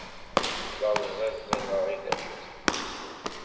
La ẓẓiẓineɣ i tafukt n tefsut.